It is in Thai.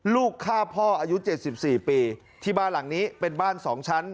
ลูกฆ่าพ่ออายุ๗๔ปีที่บ้านหลังนี้เป็นบ้าน๒ชั้น